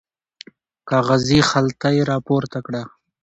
کاغذي خلطه یې راپورته کړه.